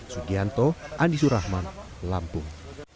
sugianto andi surahman lampung